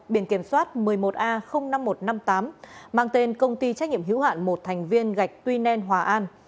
biển kiểm soát một mươi một a năm nghìn một trăm năm mươi tám mang tên công ty trách nhiệm hữu hạn một thành viên gạch tuy nen hòa an